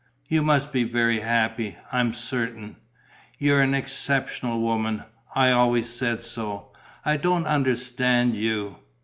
You must be very happy, I'm certain! You're an exceptional woman, I always said so. I don't understand you....